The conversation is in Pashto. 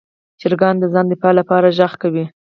چرګان د ځان دفاع لپاره غږ کوي.